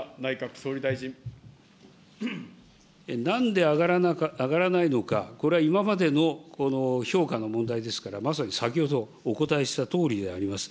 なんで上がらないのか、これは今までの評価の問題ですから、まさに先ほどお答えしたとおりであります。